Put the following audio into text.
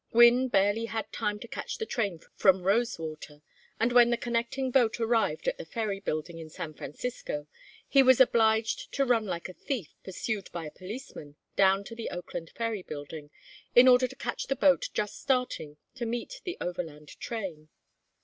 Gwynne barely had time to catch the train from Rosewater, and when the connecting boat arrived at the ferry building in San Francisco, he was obliged to run like a thief pursued by a policeman down to the Oakland ferry building, in order to catch the boat just starting to meet the Overland train.